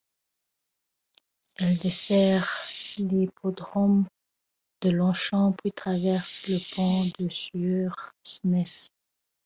Elle dessert l'hippodrome de Longchamp puis traverse le pont de Suresnes.